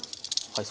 はい。